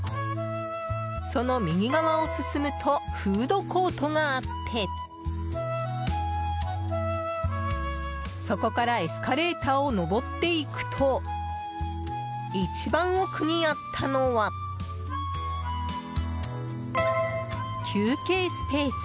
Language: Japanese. その右側を進むとフードコートがあってそこからエスカレーターを上っていくと一番奥にあったのは休憩スペース。